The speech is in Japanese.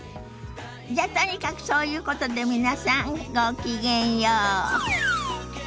じゃとにかくそういうことで皆さんごきげんよう。